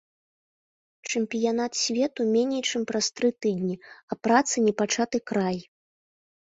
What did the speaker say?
Чэмпіянат свету меней чым праз тры тыдні, а працы непачаты край!